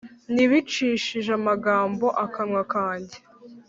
Nabicishije amagambo y akanwa kanjye